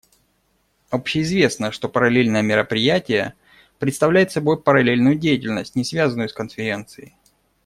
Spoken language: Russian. Общеизвестно, что параллельное мероприятие представляет собой параллельную деятельность, не связанную с Конференцией.